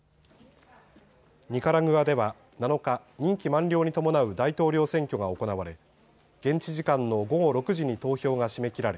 ニカラグアでは７日、任期満了に伴う大統領選挙が行われ現地時間の午後６時に投票が締め切られ